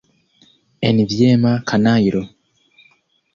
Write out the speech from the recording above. Enviema kanajlo.